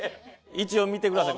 一応見てください。